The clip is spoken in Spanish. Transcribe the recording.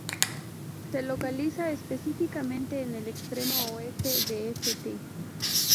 Se localiza específicamente en el extremo oeste de St.